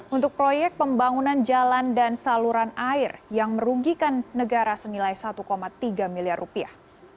untuk proyek pembangunan jalan dan saluran air yang merugikan negara senilai satu tiga miliar rupiah